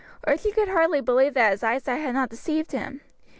Archie could hardly believe that his eyesight had not deceived him.